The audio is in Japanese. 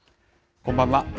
こんばんは。